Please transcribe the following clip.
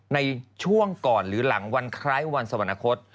ในช่วงก่อนหรือหลังวันคล้ายวันสวรรคต